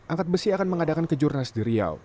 angkat besi akan mengadakan kejurnas di riau